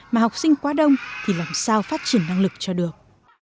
mà học sinh quá đông thì làm sao phát triển năng lực cho được